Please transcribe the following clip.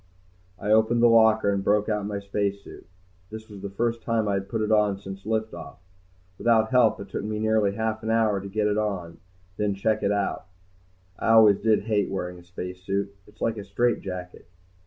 I opened the locker and broke out my spacesuit. This was the first time I had put it on since lift off. Without help, it took me nearly half an hour to get it on and then check it out. I always did hate wearing a spacesuit, it's like a straitjacket.